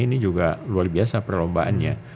ini juga luar biasa perlombaannya